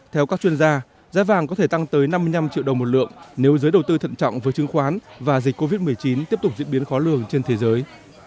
theo các chuyên gia giá vàng có thể tăng tới năm mươi năm triệu đồng một lượng nếu giới đầu tư thận trọng với chứng khoán và dịch covid một mươi chín tiếp tục diễn biến khó lường trên thế giới